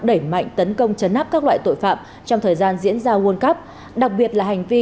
đẩy mạnh tấn công chấn áp các loại tội phạm trong thời gian diễn ra world cup đặc biệt là hành vi